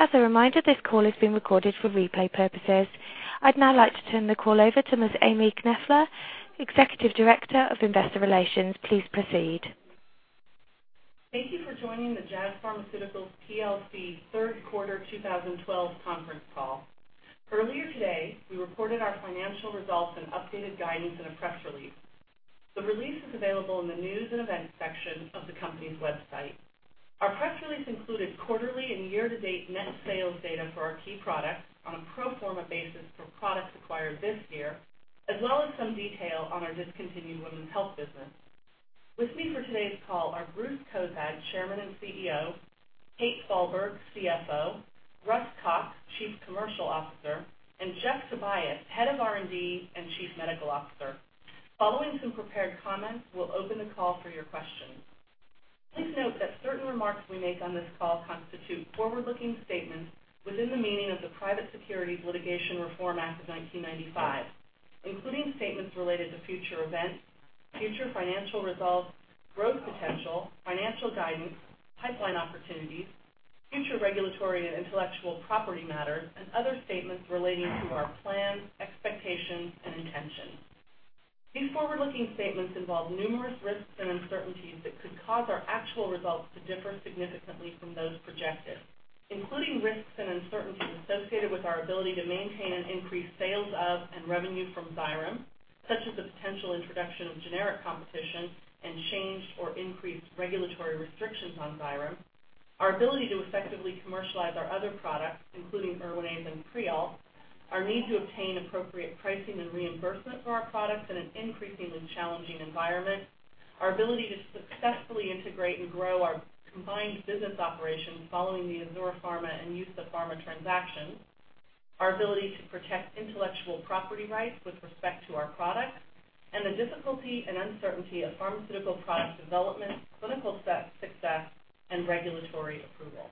As a reminder, this call is being recorded for replay purposes. I'd now like to turn the call over to Ms. Amy Kessler, Executive Director of Investor Relations. Please proceed. Thank you for joining the Jazz Pharmaceuticals plc Q3 2012 Conference Call. Earlier today, we reported our financial results and updated guidance in a press release. The release is available in the News and Events section of the company's website. Our press release included quarterly and year-to-date net sales data for our key products on a pro forma basis for products acquired this year, as well as some detail on our discontinued Women's Health business. With me for today's call are Bruce Cozadd, Chairman and CEO, Kate Falberg, CFO, Russ Cox, Chief Commercial Officer, and Jeff Tobias, Head of R&D and Chief Medical Officer. Following some prepared comments, we'll open the call for your questions. Please note that certain remarks we make on this call constitute forward-looking statements within the meaning of the Private Securities Litigation Reform Act of 1995, including statements related to future events, future financial results, growth potential, financial guidance, pipeline opportunities, future regulatory and intellectual property matters, and other statements relating to our plans, expectations, and intentions. These forward-looking statements involve numerous risks and uncertainties that could cause our actual results to differ significantly from those projected, including risks and uncertainties associated with our ability to maintain and increase sales of, and revenue from Xyrem, such as the potential introduction of generic competition and changed or increased regulatory restrictions on Xyrem. Our ability to effectively commercialize our other products, including Erwinaze and Defitelio, our need to obtain appropriate pricing and reimbursement for our products in an increasingly challenging environment. Our ability to successfully integrate and grow our combined business operations following the Azur Pharma and Eusa Pharma transactions, our ability to protect intellectual property rights with respect to our products, and the difficulty and uncertainty of pharmaceutical product development, clinical success, and regulatory approval.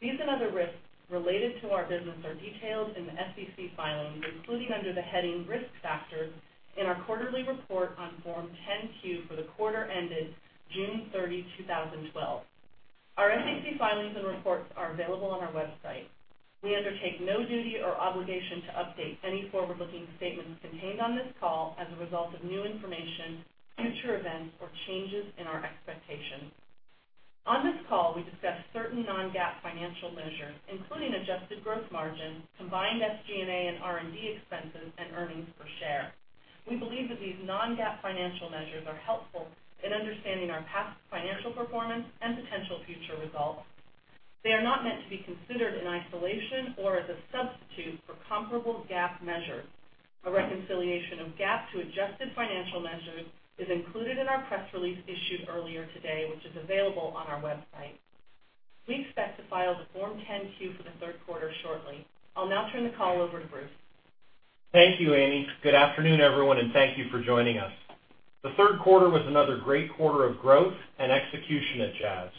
These and other risks related to our business are detailed in the SEC filings, including under the heading Risk Factors in our quarterly report on Form 10-Q for the quarter ended June 30, 2012. Our SEC filings and reports are available on our website. We undertake no duty or obligation to update any forward-looking statements contained on this call as a result of new information, future events, or changes in our expectations. On this call, we discuss certain non-GAAP financial measures, including adjusted growth margin, combined SG&A and R&D expenses and earnings per share. We believe that these non-GAAP financial measures are helpful in understanding our past financial performance and potential future results. They are not meant to be considered in isolation or as a substitute for comparable GAAP measures. A reconciliation of GAAP to adjusted financial measures is included in our press release issued earlier today, which is available on our website. We expect to file the Form 10-Q for the Q3 shortly. I'll now turn the call over to Bruce. Thank you, Amy. Good afternoon, everyone, and thank you for joining us. Q3 was another great quarter of growth and execution at Jazz.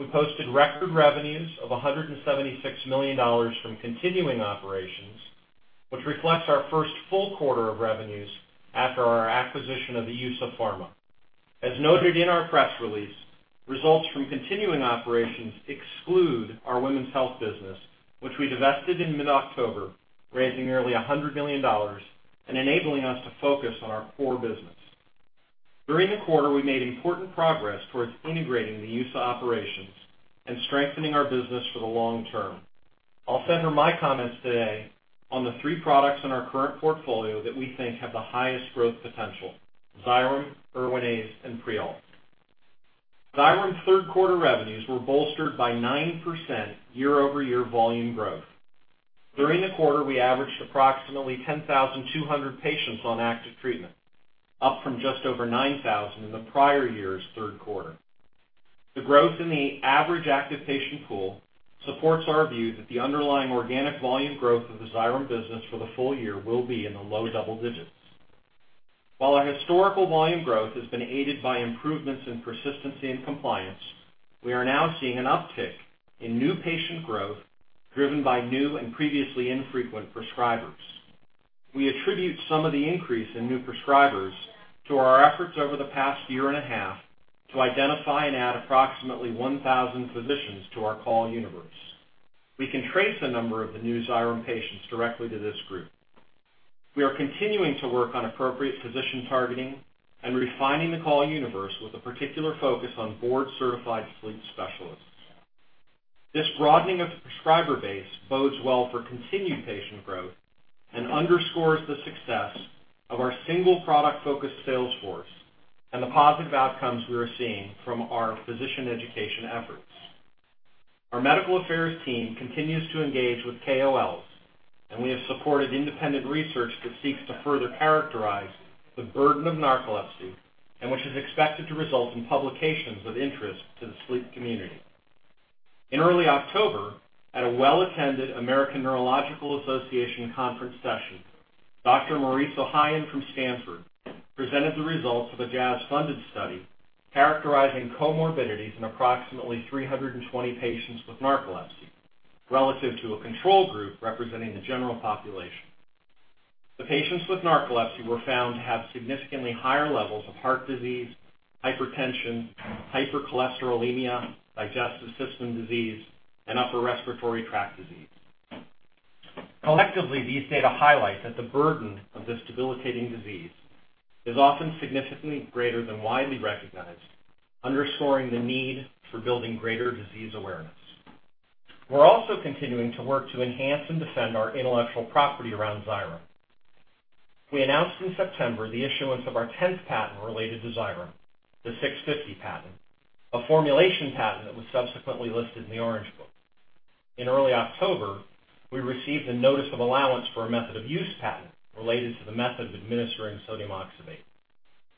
We posted record revenues of $176 million from continuing operations, which reflects our first full quarter of revenues after our acquisition of Eusa Pharma. As noted in our press release, results from continuing operations exclude our Women's Health business, which we divested in mid-October, raising nearly $100 million and enabling us to focus on our core business. During the quarter, we made important progress towards integrating the Eusa operations and strengthening our business for the long term. I'll center my comments today on the three products in our current portfolio that we think have the highest growth potential, Xyrem, Erwinaze, and Prialt. Xyrem's Q3 revenues were bolstered by 9% year-over-year volume growth. During the quarter, we averaged approximately 10,200 patients on active treatment, up from just over 9,000 in the prior year's Q3. The growth in the average active patient pool supports our view that the underlying organic volume growth of the Xyrem business for the full year will be in the low double digits. While our historical volume growth has been aided by improvements in persistency and compliance, we are now seeing an uptick in new patient growth driven by new and previously infrequent prescribers. We attribute some of the increase in new prescribers to our efforts over the past year and a half to identify and add approximately 1,000 physicians to our call universe. We can trace a number of the new Xyrem patients directly to this group. We are continuing to work on appropriate physician targeting and refining the call universe with a particular focus on board-certified sleep specialists. This broadening of the prescriber base bodes well for continued patient growth and underscores the success of our single product-focused sales force and the positive outcomes we are seeing from our physician education efforts. Our medical affairs team continues to engage with KOLs, and we have supported independent research that seeks to further characterize the burden of narcolepsy and which is expected to result in publications of interest to the sleep community. In early October, at a well-attended American Neurological Association conference session, Dr. Maurice Ohayon from Stanford presented the results of a Jazz-funded study characterizing comorbidities in approximately 320 patients with narcolepsy, relative to a control group representing the general population. The patients with narcolepsy were found to have significantly higher levels of heart disease, hypertension, hypercholesterolemia, digestive system disease, and upper respiratory tract disease. Collectively, these data highlight that the burden of this debilitating disease is often significantly greater than widely recognized, underscoring the need for building greater disease awareness. We're also continuing to work to enhance and defend our intellectual property around Xyrem. We announced in September the issuance of our tenth patent related to Xyrem, the '650 patent, a formulation patent that was subsequently listed in the Orange Book. In early October, we received a notice of allowance for a method of use patent related to the method of administering sodium oxybate.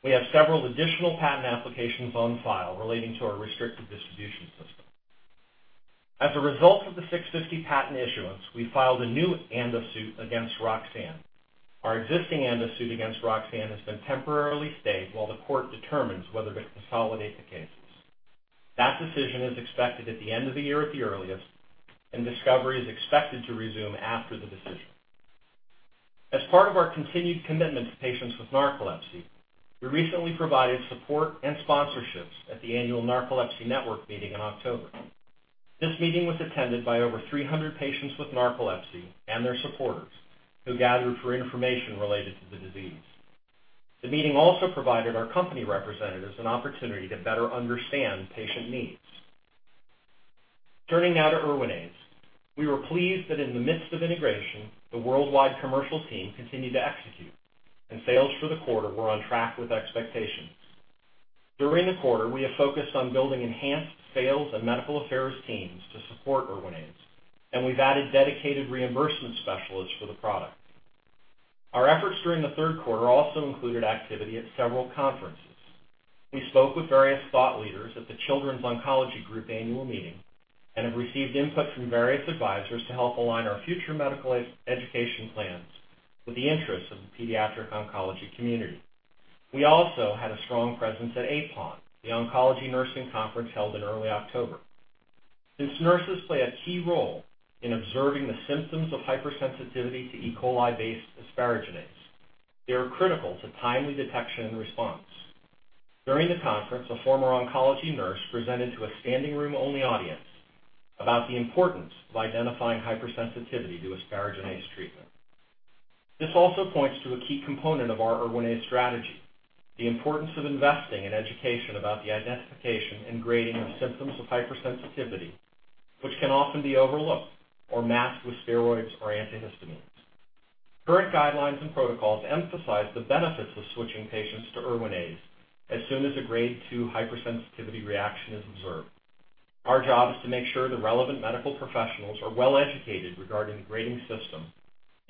We have several additional patent applications on file relating to our restricted distribution system. As a result of the '650 patent issuance, we filed a new ANDA suit against Roxane. Our existing ANDA suit against Roxane has been temporarily stayed while the court determines whether to consolidate the cases. That decision is expected at the end of the year at the earliest, and discovery is expected to resume after the decision. As part of our continued commitment to patients with narcolepsy, we recently provided support and sponsorships at the annual Narcolepsy Network meeting in October. This meeting was attended by over 300 patients with narcolepsy and their supporters who gathered for information related to the disease. The meeting also provided our company representatives an opportunity to better understand patient needs. Turning now to Erwinaze. We were pleased that in the midst of integration, the worldwide commercial team continued to execute and sales for the quarter were on track with expectations. During the quarter, we have focused on building enhanced sales and medical affairs teams to support Erwinaze, and we've added dedicated reimbursement specialists for the product. Our efforts during the Q3 also included activity at several conferences. We spoke with various thought leaders at the Children's Oncology Group annual meeting and have received input from various advisors to help align our future medical education plans with the interests of the pediatric oncology community. We also had a strong presence at APHON, the oncology nursing conference held in early October. Since nurses play a key role in observing the symptoms of hypersensitivity to E. coli-based asparaginase, they are critical to timely detection and response. During the conference, a former oncology nurse presented to a standing room only audience about the importance of identifying hypersensitivity to asparaginase treatment. This also points to a key component of our Erwinaze strategy, the importance of investing in education about the identification and grading of symptoms of hypersensitivity, which can often be overlooked or masked with steroids or antihistamines. Current guidelines and protocols emphasize the benefits of switching patients to Erwinaze as soon as a grade two hypersensitivity reaction is observed. Our job is to make sure the relevant medical professionals are well educated regarding the grading system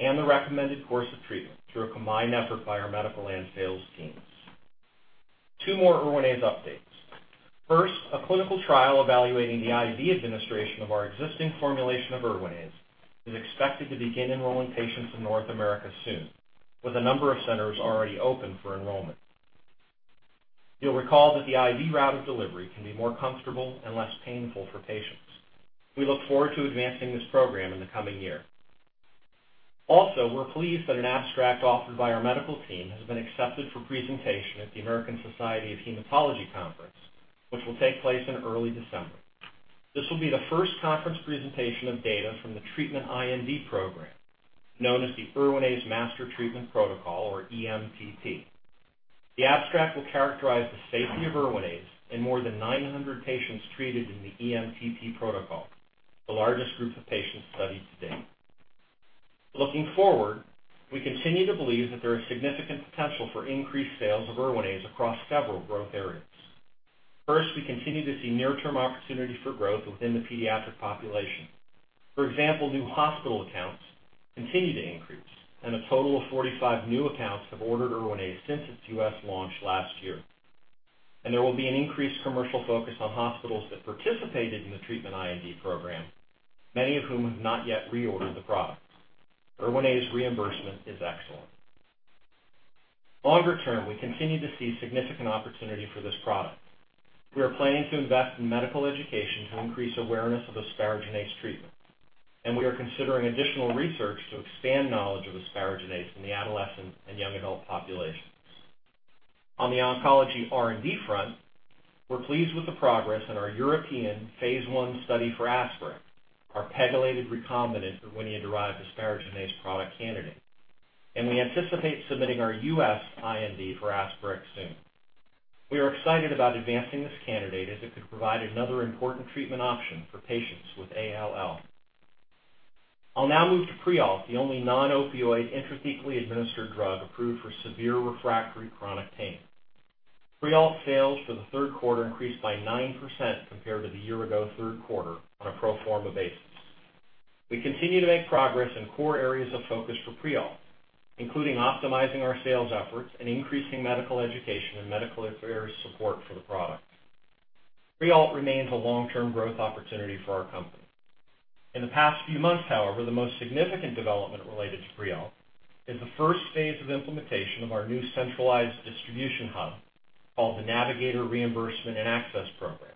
and the recommended course of treatment through a combined effort by our medical and sales teams. Two more Erwinaze updates. First, a clinical trial evaluating the IV administration of our existing formulation of Erwinaze is expected to begin enrolling patients in North America soon, with a number of centers already open for enrollment. You'll recall that the IV route of delivery can be more comfortable and less painful for patients. We look forward to advancing this program in the coming year. Also, we're pleased that an abstract offered by our medical team has been accepted for presentation at the American Society of Hematology conference, which will take place in early December. This will be the first conference presentation of data from the treatment IND program, known as the Erwinaze Master Treatment Protocol, or EMTP. The abstract will characterize the safety of Erwinaze in more than 900 patients treated in the EMTP protocol, the largest group of patients studied to date. Looking forward, we continue to believe that there is significant potential for increased sales of Erwinaze across several growth areas. First, we continue to see near-term opportunities for growth within the pediatric population. For example, new hospital accounts continue to increase, and a total of 45 new accounts have ordered Erwinaze since its U.S. launch last year. There will be an increased commercial focus on hospitals that participated in the treatment IND program, many of whom have not yet reordered the product. Erwinaze reimbursement is excellent. Longer term, we continue to see significant opportunity for this product. We are planning to invest in medical education to increase awareness of asparaginase treatment, and we are considering additional research to expand knowledge of asparaginase in the adolescent and young adult populations. On the oncology R&D front, we're pleased with the progress in our European phase I study for Asparec, our pegylated recombinant Erwinia-derived asparaginase product candidate, and we anticipate submitting our U.S. IND for Asparec soon. We are excited about advancing this candidate, as it could provide another important treatment option for patients with ALL. I'll now move to Prialt, the only non-opioid intrathecally administered drug approved for severe refractory chronic pain. Prialt sales for Q3 increased by 9% compared to the year ago Q3 on a pro forma basis. We continue to make progress in core areas of focus for Prialt, including optimizing our sales efforts and increasing medical education and medical affairs support for the product. Prialt remains a long-term growth opportunity for our company. In the past few months, however, the most significant development related to Prialt is the first phase of implementation of our new centralized distribution hub called the Navigator Reimbursement and Access Program.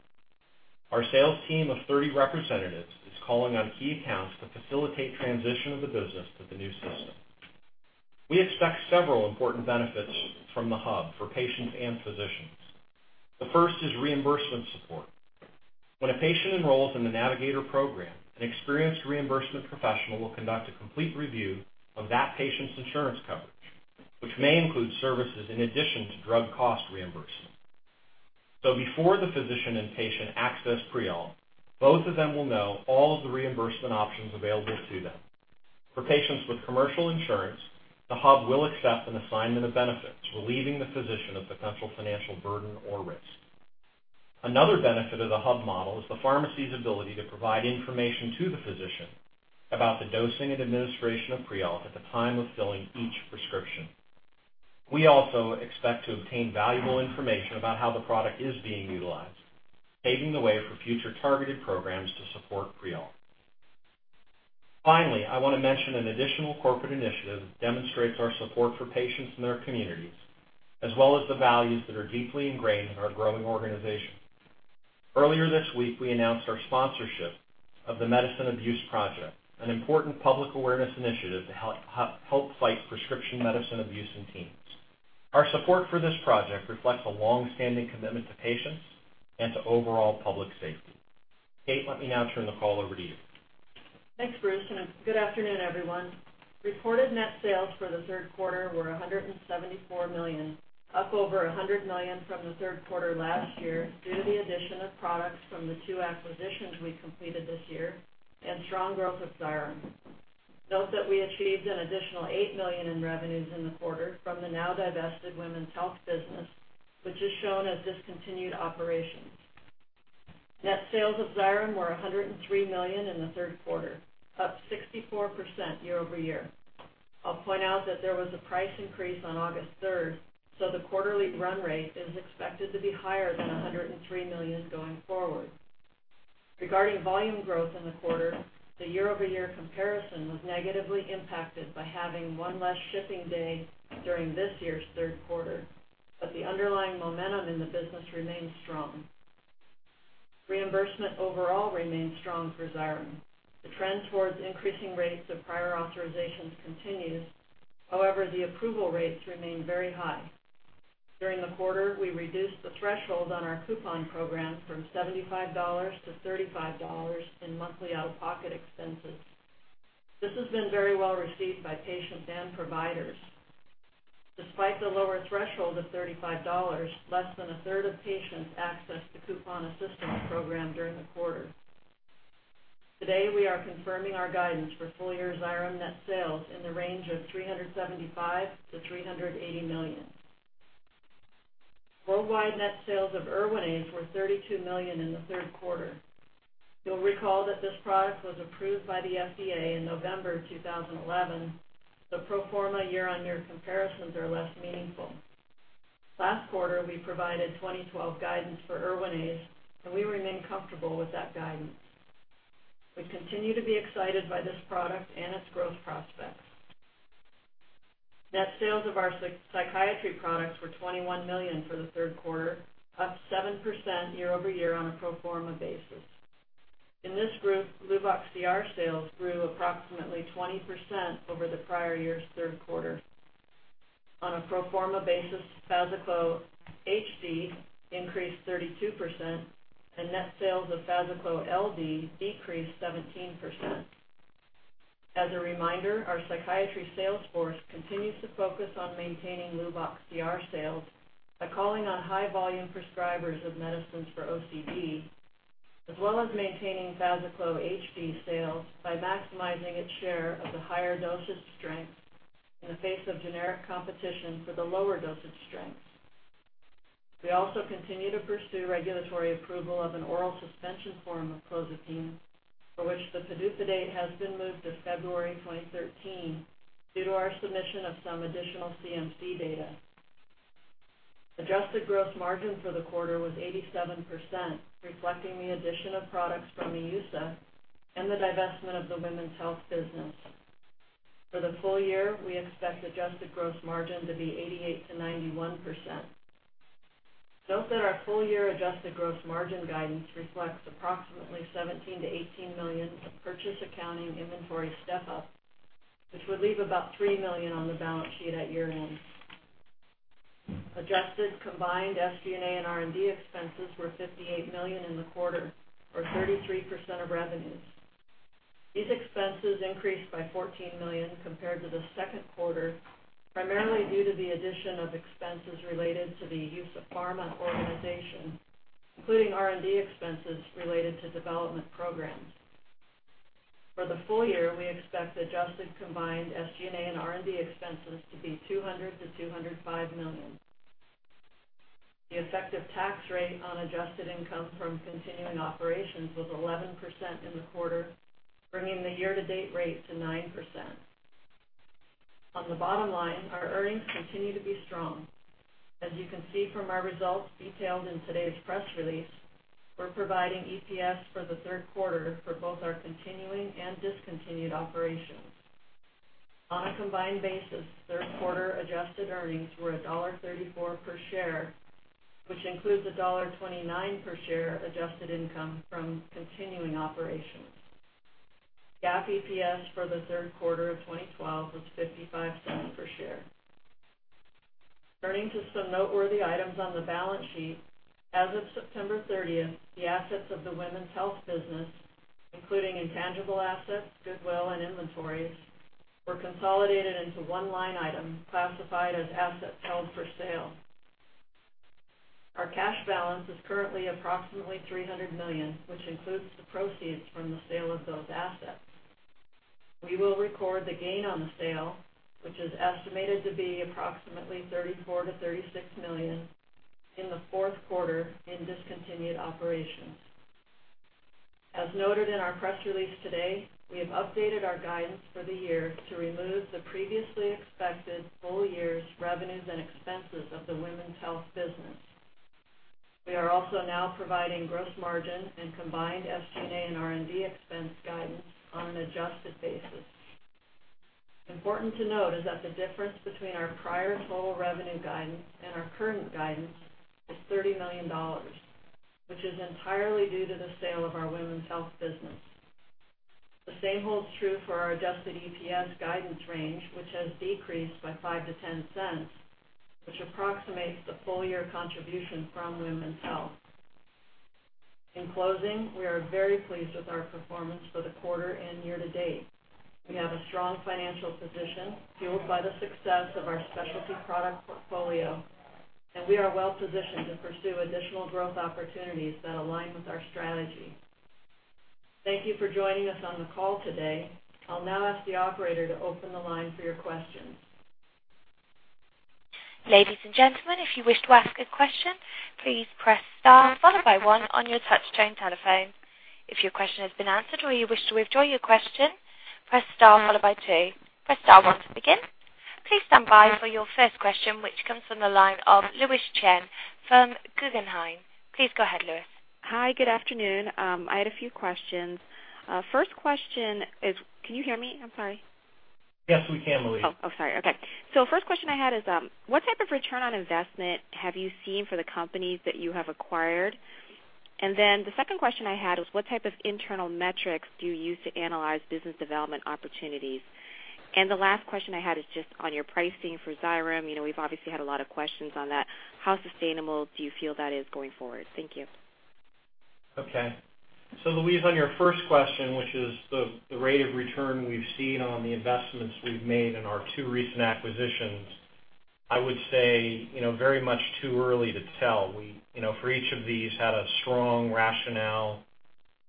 Our sales team of 30 representatives is calling on key accounts to facilitate transition of the business to the new system. We expect several important benefits from the hub for patients and physicians. The first is reimbursement support. When a patient enrolls in the Navigator program, an experienced reimbursement professional will conduct a complete review of that patient's insurance coverage, which may include services in addition to drug cost reimbursement. Before the physician and patient access Prialt, both of them will know all of the reimbursement options available to them. For patients with commercial insurance, the hub will accept an assignment of benefits, relieving the physician of potential financial burden or risk. Another benefit of the hub model is the pharmacy's ability to provide information to the physician about the dosing and administration of Prialt at the time of filling each prescription. We also expect to obtain valuable information about how the product is being utilized, paving the way for future targeted programs to support Prialt. Finally, I want to mention an additional corporate initiative that demonstrates our support for patients in their communities, as well as the values that are deeply ingrained in our growing organization. Earlier this week, we announced our sponsorship of the Medicine Abuse Project, an important public awareness initiative to help fight prescription medicine abuse in teens. Our support for this project reflects a long-standing commitment to patients and to overall public safety. Kate Falberg, let me now turn the call over to you. Thanks, Bruce, and good afternoon, everyone. Reported net sales for Q3 were $174 million, up over $100 million from the Q3 last year due to the addition of products from the two acquisitions we completed this year and strong growth of Xyrem. Note that we achieved an additional $8 million in revenues in the quarter from the now-divested women's health business, which is shown as discontinued operations. Net sales of Xyrem were $103 million in the Q3, up 64% year-over-year. I'll point out that there was a price increase on August 3, so the quarterly run rate is expected to be higher than $103 million going forward. Regarding volume growth in the quarter, the year-over-year comparison was negatively impacted by having one less shipping day during this year's Q3, but the underlying momentum in the business remains strong. Reimbursement overall remains strong for Xyrem. The trend towards increasing rates of prior authorizations continues. However, the approval rates remain very high. During the quarter, we reduced the threshold on our coupon program from $75 to 35 in monthly out-of-pocket expenses. This has been very well received by patients and providers. Despite the lower threshold of $35, less than a third of patients accessed the coupon assistance program during the quarter. Today, we are confirming our guidance for full-year Xyrem net sales in the range of $375-380 million. Worldwide net sales of Erwinaze were $32 million in the Q3. You'll recall that this product was approved by the FDA in November 2011, so pro forma year-on-year comparisons are less meaningful. Last quarter, we provided 2012 guidance for Erwinaze, and we remain comfortable with that guidance. We continue to be excited by this product and its growth prospects. Net sales of our psychiatry products were $21 million for the Q3, up 7% year-over-year on a pro forma basis. In this group, Luvox CR sales grew approximately 20% over the prior year's Q3. On a pro forma basis, FazaClo HD increased 32%, and net sales of FazaClo LD decreased 17%. As a reminder, our psychiatry sales force continues to focus on maintaining Luvox CR sales by calling on high-volume prescribers of medicines for OCD, as well as maintaining FazaClo HD sales by maximizing its share of the higher dosage strength in the face of generic competition for the lower dosage strengths. We also continue to pursue regulatory approval of an oral suspension form of clozapine, for which the PDUFA date has been moved to February 2013 due to our submission of some additional CMC data. Adjusted gross margin for the quarter was 87%, reflecting the addition of products from Azur Pharma and the divestment of the women's health business. For the full year, we expect adjusted gross margin to be 88%-91%. Note that our full-year adjusted gross margin guidance reflects approximately $17-18 million of purchase accounting inventory step-up, which would leave about $3 million on the balance sheet at year-end. Adjusted combined SG&A and R&D expenses were $58 million in the quarter, or 33% of revenues. These expenses increased by $14 million compared to Q2, primarily due to the addition of expenses related to the Eusa Pharma organization, including R&D expenses related to development programs. For the full year, we expect adjusted combined SG&A and R&D expenses to be $200-205 million. The effective tax rate on adjusted income from continuing operations was 11% in the quarter, bringing the year-to-date rate to 9%. On the bottom line, our earnings continue to be strong. As you can see from our results detailed in today's press release, we're providing EPS for the Q3 for both our continuing and discontinued operations. On a combined basis, Q3 adjusted earnings were $1.34 per share, which includes 1.29 per share adjusted income from continuing operations. GAAP EPS for the Q3 of 2012 was $0.55 per share. Turning to some noteworthy items on the balance sheet. As of September 30, the assets of the women's health business, including intangible assets, goodwill, and inventories, were consolidated into one line item classified as assets held for sale. Our cash balance is currently approximately $300 million, which includes the proceeds from the sale of those assets. We will record the gain on the sale, which is estimated to be approximately $34-36 million in Q4 in discontinued operations. As noted in our press release today, we have updated our guidance for the year to remove the previously expected full year's revenues and expenses of the women's health business. We are also now providing gross margin and combined SG&A and R&D expense guidance on an adjusted basis. Important to note is that the difference between our prior total revenue guidance and our current guidance is $30 million, which is entirely due to the sale of our women's health business. The same holds true for our adjusted EPS guidance range, which has decreased by $0.05-0.10, which approximates the full year contribution from women's health. In closing, we are very pleased with our performance for the quarter and year to date. We have a strong financial position fueled by the success of our specialty product portfolio, and we are well positioned to pursue additional growth opportunities that align with our strategy. Thank you for joining us on the call today. I'll now ask the operator to open the line for your questions. Ladies and gentlemen, if you wish to ask a question, please press star followed by one on your touchtone telephone. If your question has been answered or you wish to withdraw your question, press star followed by two. Press star one to begin. Please stand by for your first question, which comes from the line of Louise Chen from Guggenheim. Please go ahead, Louise. Hi, good afternoon. I had a few questions. First question is, can you hear me? I'm sorry. Yes, we can, Louise. Oh, oh, sorry. Okay. First question I had is, what type of return on investment have you seen for the companies that you have acquired? Then the second question I had was, what type of internal metrics do you use to analyze business development opportunities? Last question I had is just on your pricing for Xyrem. You know, we've obviously had a lot of questions on that. How sustainable do you feel that is going forward? Thank you. Okay. Louise, on your first question, which is the rate of return we've seen on the investments we've made in our two recent acquisitions, I would say, you know, very much too early to tell. We, you know, for each of these had a strong rationale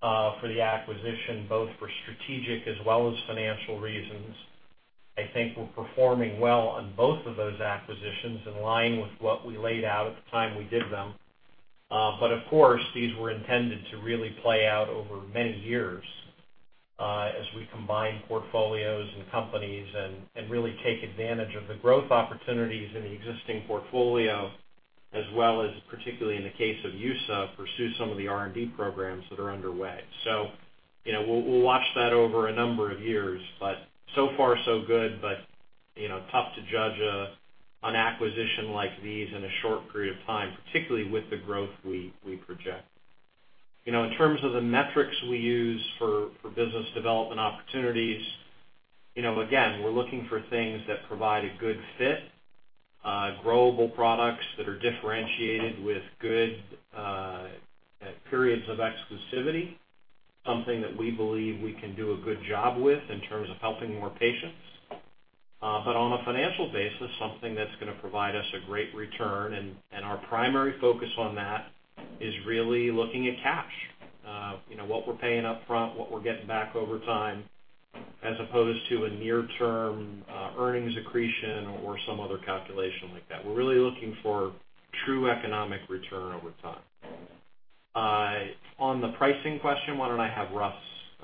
for the acquisition, both for strategic as well as financial reasons. I think we're performing well on both of those acquisitions in line with what we laid out at the time we did them. But of course, these were intended to really play out over many years, as we combine portfolios and companies and really take advantage of the growth opportunities in the existing portfolio, as well as particularly in the case of Eusa, pursue some of the R&D programs that are underway. You know, we'll watch that over a number of years, so far so good. You know, tough to judge an acquisition like these in a short period of time, particularly with the growth we project. You know, in terms of the metrics we use for business development opportunities, you know, again, we're looking for things that provide a good fit, growable products that are differentiated with good periods of exclusivity, something that we believe we can do a good job with in terms of helping more patients. On a financial basis, something that's gonna provide us a great return, and our primary focus on that is really looking at cash. you know, what we're paying up front, what we're getting back over time, as opposed to a near term, earnings accretion or some other calculation like that. We're really looking for true economic return over time. On the pricing question, why don't I have Russ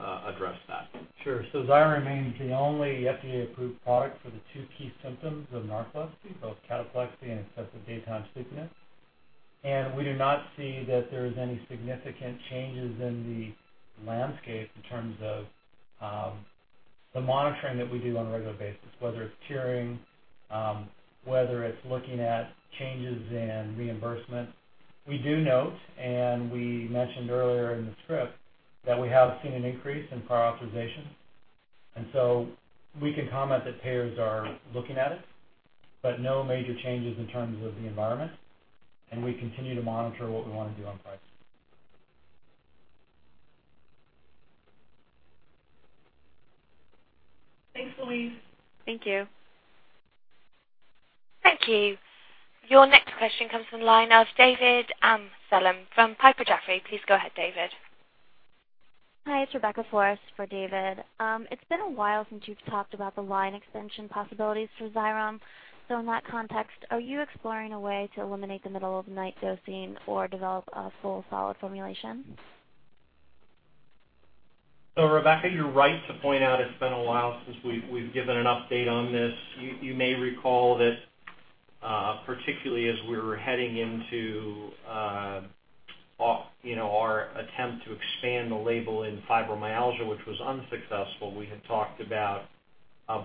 address that? Sure. Xyrem remains the only FDA-approved product for the two key symptoms of narcolepsy, both cataplexy and excessive daytime sleepiness. We do not see that there's any significant changes in the landscape in terms of the monitoring that we do on a regular basis, whether it's tiering, whether it's looking at changes in reimbursement. We do note, and we mentioned earlier in the script, that we have seen an increase in prior authorization, and so we can comment that payers are looking at it, but no major changes in terms of the environment, and we continue to monitor what we wanna do on pricing. Thanks, Louise. Thank you. Thank you. Your next question comes from the line of David Amsellem from Piper Jaffray. Please go ahead, David. Hi, it's Rebecca Luse for David. It's been a while since you've talked about the line extension possibilities for Xyrem. In that context, are you exploring a way to eliminate the middle of the night dosing or develop a full solid formulation? Rebecca, you're right to point out it's been a while since we've given an update on this. You may recall that Particularly as we were heading into, you know, our attempt to expand the label in fibromyalgia, which was unsuccessful, we had talked about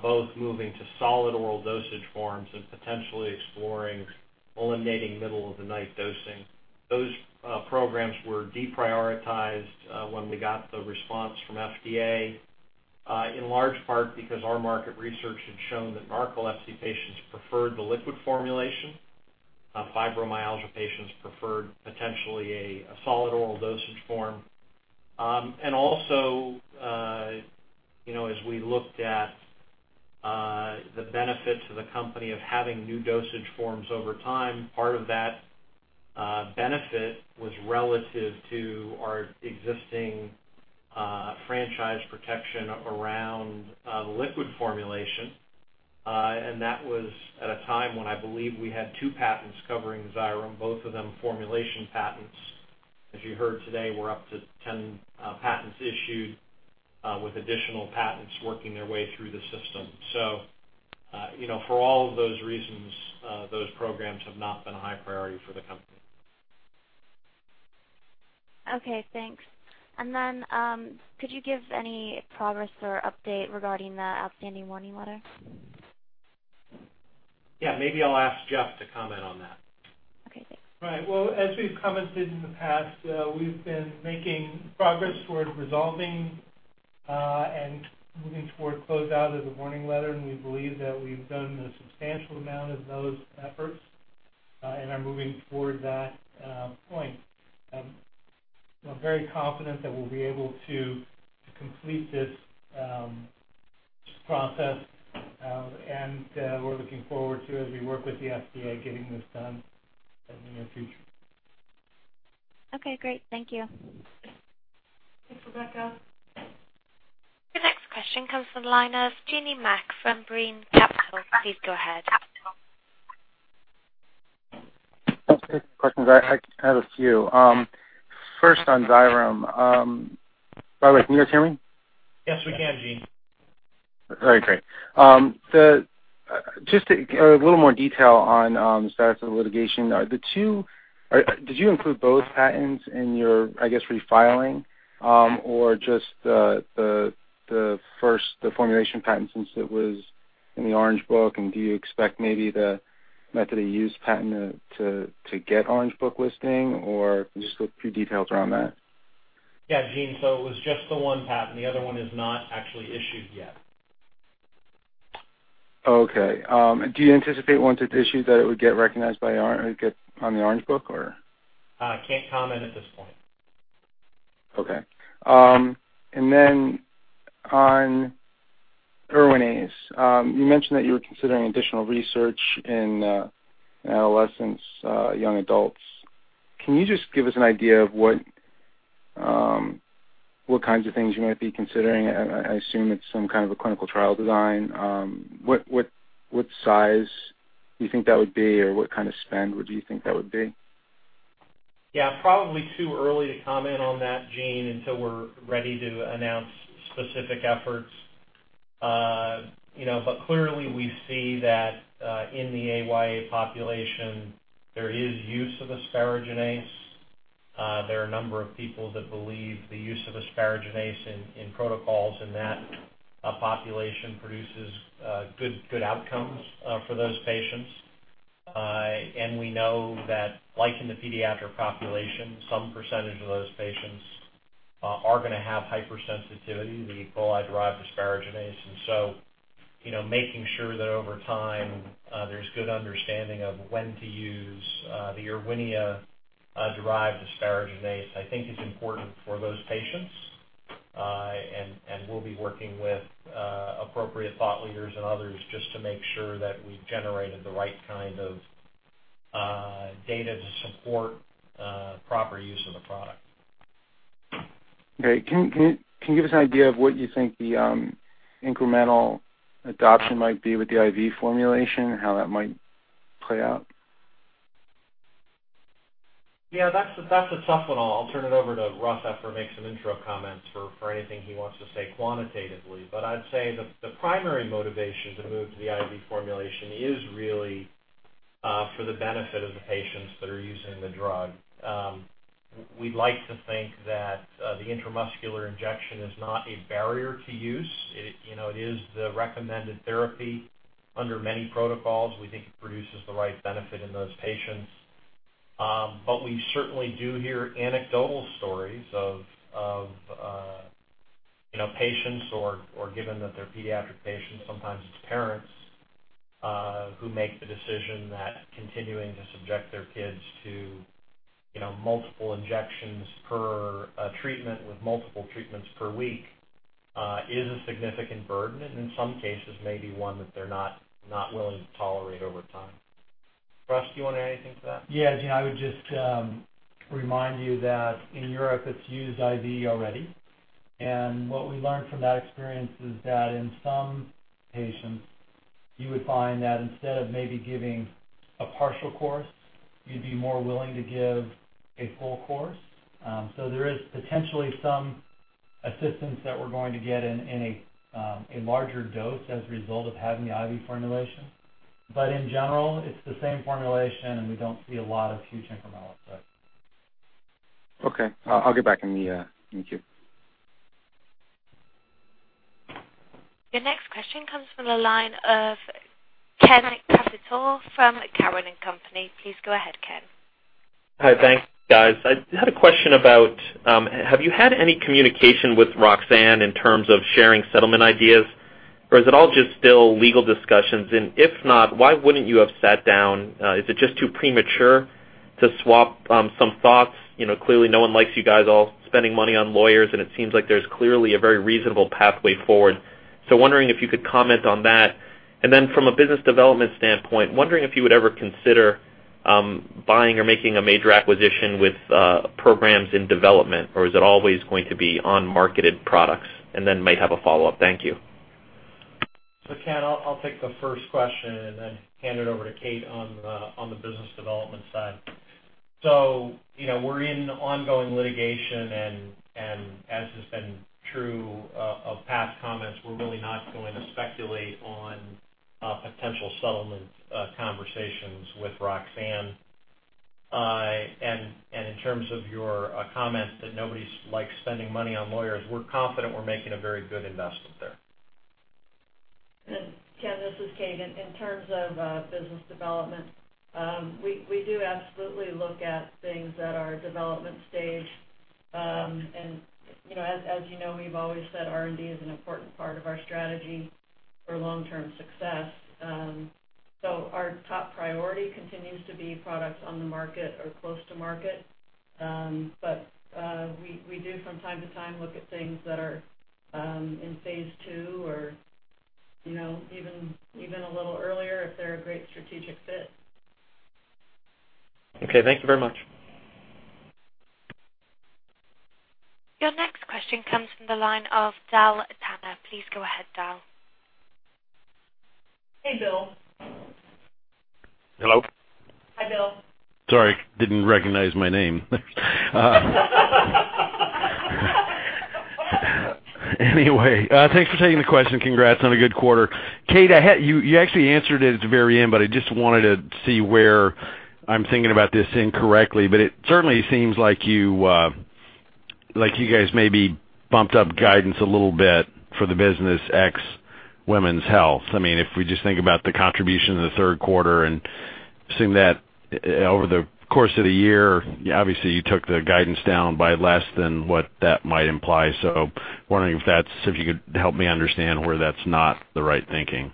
both moving to solid oral dosage forms and potentially exploring eliminating middle of the night dosing. Those programs were deprioritized when we got the response from FDA, in large part because our market research had shown that narcolepsy patients preferred the liquid formulation. Fibromyalgia patients preferred potentially a solid oral dosage form. Also, you know, as we looked at the benefits of the company of having new dosage forms over time, part of that benefit was relative to our existing franchise protection around liquid formulation. That was at a time when I believe we had two patents covering Xyrem, both of them formulation patents. As you heard today, we're up to 10 patents issued, with additional patents working their way through the system. You know, for all of those reasons, those programs have not been a high priority for the company. Okay, thanks. Could you give any progress or update regarding the outstanding warning letter? Yeah. Maybe I'll ask Jeff to comment on that. Okay, thanks. Right. Well, as we've commented in the past, we've been making progress toward resolving and moving toward closeout of the warning letter, and we believe that we've done a substantial amount of those efforts and are moving toward that point. We're very confident that we'll be able to complete this process and we're looking forward to, as we work with the FDA, getting this done in the near future. Okay, great. Thank you. Thanks, Rebecca. The next question comes from the line of Gene Mack from Brean Capital. Please go ahead. Thanks. A few questions. I have a few. First on Xyrem. By the way, can you guys hear me? Yes, we can, Gene. All right, great. Just to get a little more detail on the status of the litigation. Did you include both patents in your, I guess, refiling? Or just the first, the formulation patent since it was in the Orange Book, and do you expect maybe the method of use patent to get Orange Book listing or just a few details around that? Yeah, Gene. It was just the one patent. The other one is not actually issued yet. Do you anticipate once it's issued that it would get recognized or get on the Orange Book or? Can't comment at this point. Okay. On Erwinaze. You mentioned that you were considering additional research in adolescents, young adults. Can you just give us an idea of what kinds of things you might be considering? I assume it's some kind of a clinical trial design. What size do you think that would be or what kind of spend would you think that would be? Yeah, probably too early to comment on that, Gene, until we're ready to announce specific efforts. You know, clearly, we see that in the AYA population, there is use of asparaginase. There are a number of people that believe the use of asparaginase in protocols in that population produces good outcomes for those patients. We know that like in the pediatric population, some percentage of those patients are gonna have hypersensitivity to the E. coli-derived asparaginase. You know, making sure that over time, there's good understanding of when to use the Erwinia derived asparaginase, I think is important for those patients. We'll be working with appropriate thought leaders and others just to make sure that we've generated the right kind of data to support proper use of the product. Okay. Can you give us an idea of what you think the incremental adoption might be with the IV formulation? How that might play out? Yeah, that's a tough one. I'll turn it over to Russ after I make some intro comments for anything he wants to say quantitatively. I'd say the primary motivation to move to the IV formulation is really for the benefit of the patients that are using the drug. We'd like to think that the intramuscular injection is not a barrier to use. You know, it is the recommended therapy under many protocols. We think it produces the right benefit in those patients. We certainly do hear anecdotal stories of you know, patients or given that they're pediatric patients, sometimes it's parents who make the decision that continuing to subject their kids to you know, multiple injections per treatment with multiple treatments per week is a significant burden. In some cases, maybe one that they're not willing to tolerate over time. Russ, do you wanna add anything to that? Yeah. Gene, I would just remind you that in Europe, it's used IV already. What we learned from that experience is that in some patients, you would find that instead of maybe giving a partial course, you'd be more willing to give a full course. There is potentially some assistance that we're going to get in a larger dose as a result of having the IV formulation. In general, it's the same formulation, and we don't see a lot of huge incremental effect. Okay. I'll get back. Thank you. Your next question comes from the line of Ken Cacciatore from Cowen and Company. Please go ahead, Ken. Hi. Thanks, guys. I had a question about have you had any communication with Roxane in terms of sharing settlement ideas, or is it all just still legal discussions? If not, why wouldn't you have sat down? Is it just too premature to swap some thoughts? You know, clearly, no one likes you guys all spending money on lawyers, and it seems like there's clearly a very reasonable pathway forward. Wondering if you could comment on that. Then from a business development standpoint, wondering if you would ever consider buying or making a major acquisition with programs in development, or is it always going to be on marketed products? Then may have a follow-up. Thank you. Ken, I'll take the first question and then hand it over to Kate on the business development side. You know, we're in ongoing litigation and as has been true of past comments, we're really not going to speculate on potential settlement conversations with Roxane. In terms of your comment that nobody likes spending money on lawyers, we're confident we're making a very good investment there. Ken, this is Kate. In terms of business development, we do absolutely look at things that are development stage. You know, we've always said R&D is an important part of our strategy for long-term success. Our top priority continues to be products on the market or close to market. We do from time to time look at things that are in phase 2 or you know even a little earlier if they're a great strategic fit. Okay, thank you very much. Your next question comes from the line of Bill Tanner. Please go ahead, Bill. Hey, Bill. Hello? Hi, Bill. Sorry, didn't recognize my name. Anyway, thanks for taking the question. Congrats on a good quarter. Kate, you actually answered it at the very end, but I just wanted to see where I'm thinking about this incorrectly, but it certainly seems like you guys may be bumped up guidance a little bit for the business ex women's health. I mean, if we just think about the contribution in Q3 and seeing that over the course of the year, obviously, you took the guidance down by less than what that might imply. Wondering if that's, if you could help me understand where that's not the right thinking.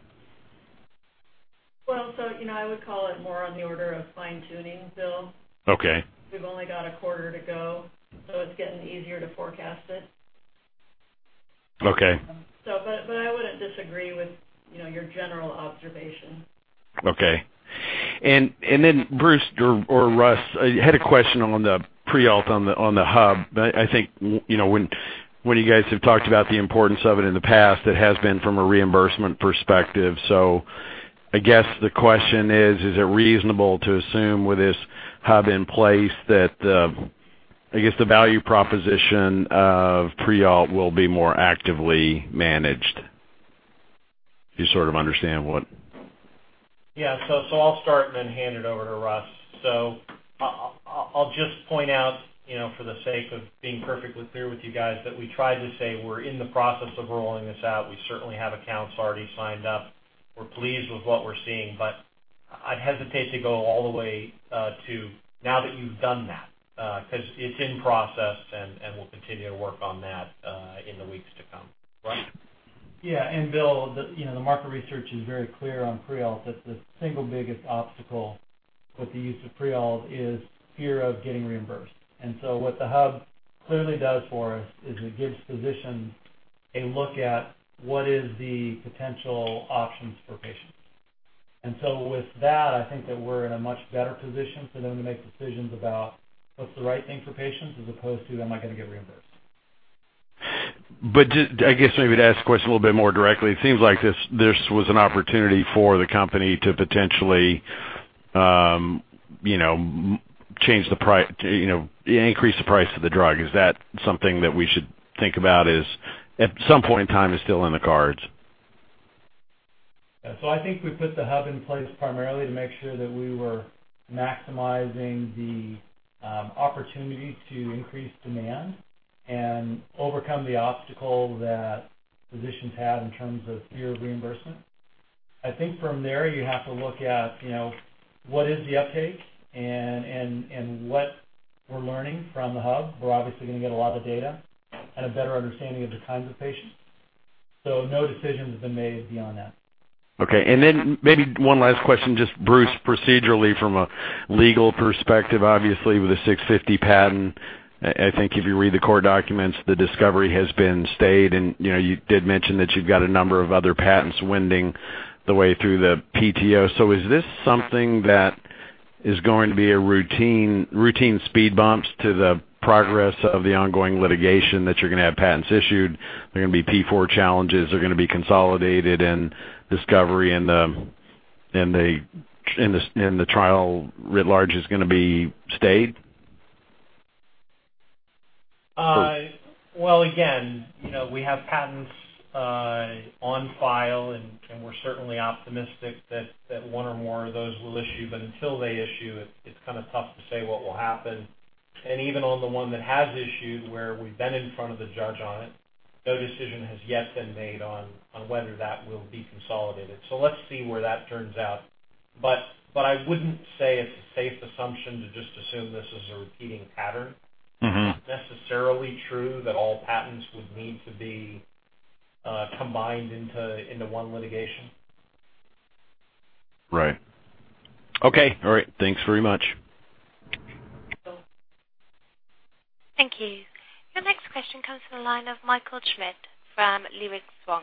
Well, you know, I would call it more on the order of fine-tuning, Bill. Okay. We've only got a quarter to go, so it's getting easier to forecast it. Okay. I wouldn't disagree with, you know, your general observation. Okay. Then Bruce or Russ, I had a question on the Prialt on the hub. I think, you know, when you guys have talked about the importance of it in the past, it has been from a reimbursement perspective. I guess the question is it reasonable to assume with this hub in place that I guess the value proposition of Prialt will be more actively managed? You sort of understand what. Yeah. I'll start and then hand it over to Russ. I'll just point out, you know, for the sake of being perfectly clear with you guys, that we tried to say we're in the process of rolling this out. We certainly have accounts already signed up. We're pleased with what we're seeing, but I'd hesitate to go all the way to now that you've done that, 'cause it's in process, and we'll continue to work on that in the weeks to come. Russ? Yeah. Bill, the, you know, the market research is very clear on Prialt that the single biggest obstacle with the use of Prialt is fear of getting reimbursed. What the hub clearly does for us is it gives physicians a look at what is the potential options for patients. With that, I think that we're in a much better position for them to make decisions about what's the right thing for patients as opposed to, am I gonna get reimbursed? I guess maybe to ask the question a little bit more directly, it seems like this was an opportunity for the company to potentially, you know, increase the price of the drug. Is that something that we should think about at some point in time is still in the cards? I think we put the hub in place primarily to make sure that we were maximizing the opportunity to increase demand and overcome the obstacle that physicians had in terms of fear of reimbursement. I think from there, you have to look at, you know, what is the uptake and what we're learning from the hub. We're obviously gonna get a lot of data and a better understanding of the kinds of patients. No decision has been made beyond that. Okay. Maybe one last question, just Bruce, procedurally from a legal perspective, obviously with a '650 patent, I think if you read the court documents, the discovery has been stayed and, you know, you did mention that you've got a number of other patents wending their way through the PTO. Is this something that is going to be routine speed bumps to the progress of the ongoing litigation that you're gonna have patents issued, they're gonna be Paragraph IV challenges, they're gonna be consolidated and discovery and the trial writ large is going to be stayed? Well, again, you know, we have patents on file, and we're certainly optimistic that one or more of those will issue. Until they issue, it's kind of tough to say what will happen. Even on the one that has issued, where we've been in front of the judge on it, no decision has yet been made on whether that will be consolidated. Let's see where that turns out. I wouldn't say it's a safe assumption to just assume this is a repeating pattern. Mm-hmm. It's not necessarily true that all patents would need to be combined into one litigation. Right. Okay. All right. Thanks very much. Thank you. Your next question comes from the line of Michael Schmidt from Leerink Swann.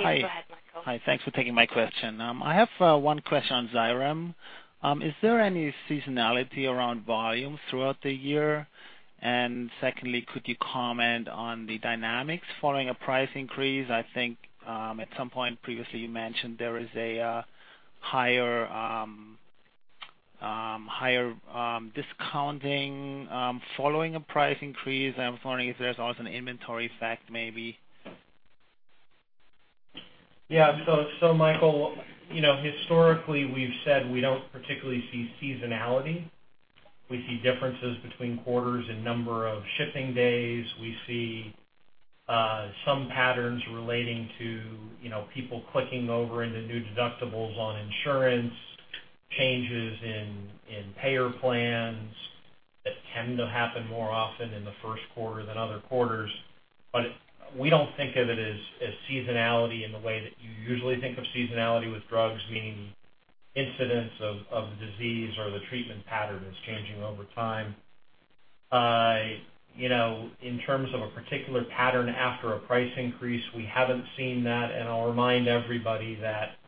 Hi. Please go ahead, Michael. Hi. Thanks for taking my question. I have one question on Xyrem. Is there any seasonality around volumes throughout the year? And secondly, could you comment on the dynamics following a price increase? I think at some point previously, you mentioned there is a higher discounting following a price increase. I was wondering if there's also an inventory effect maybe. Yeah. Michael, you know, historically we've said we don't particularly see seasonality. We see differences between quarters and number of shipping days. We see some patterns relating to, you know, people clicking over into new deductibles on insurance, changes in payer plans that tend to happen more often in Q1 than other quarters. We don't think of it as seasonality in the way that you usually think of seasonality with drugs, meaning incidents of the disease or the treatment pattern is changing over time. You know, in terms of a particular pattern after a price increase, we haven't seen that. I'll remind everybody that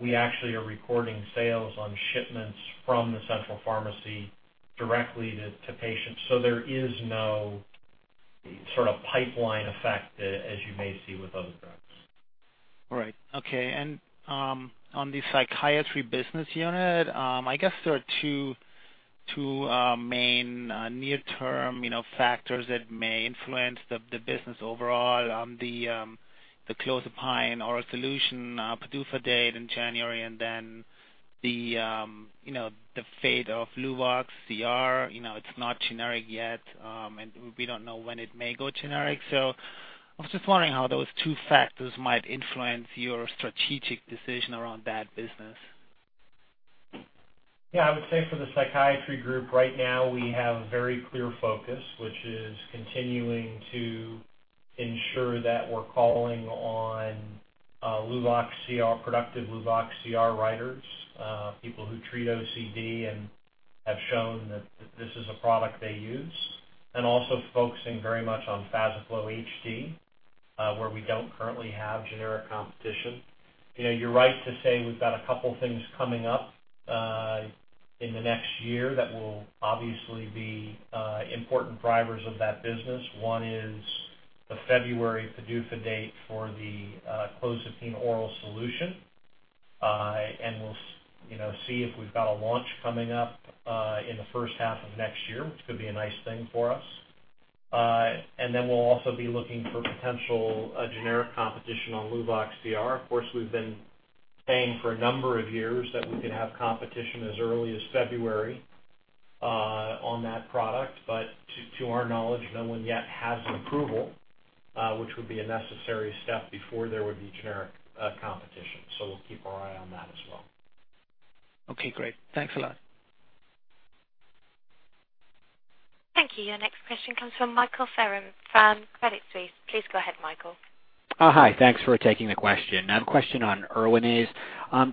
we actually are recording sales on shipments from the central pharmacy directly to patients. There is no sort of pipeline effect, as you may see with other drugs. All right. Okay. On the psychiatry business unit, I guess there are two main near term, you know, factors that may influence the business overall on the Clozapine Oral Suspension PDUFA date in January and then the, you know, the fate of Luvox CR, you know, it's not generic yet, and we don't know when it may go generic. I was just wondering how those two factors might influence your strategic decision around that business. Yeah. I would say for the Psychiatry group right now, we have a very clear focus, which is continuing to ensure that we're calling on Luvox CR, productive Luvox CR writers, people who treat OCD and have shown that this is a product they use, and also focusing very much on FazaClo HD, where we don't currently have generic competition. You know, you're right to say we've got a couple things coming up in the next year that will obviously be important drivers of that business. One is the February PDUFA date for the Clozapine Oral Solution. We'll, you know, see if we've got a launch coming up in the first half of next year, which could be a nice thing for us. Then we'll also be looking for potential generic competition on Luvox CR. Of course, we've been saying for a number of years that we could have competition as early as February on that product. To our knowledge, no one yet has approval, which would be a necessary step before there would be generic competition. We'll keep our eye on that as well. Okay, great. Thanks a lot. Thank you. Your next question comes from Michael Faerm from Credit Suisse. Please go ahead, Michael. Hi. Thanks for taking the question. I have a question on Erwinaze.